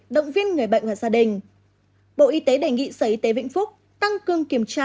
động viên người bệnh và gia đình bộ y tế đề nghị sở y tế vĩnh phúc tăng cường kiểm tra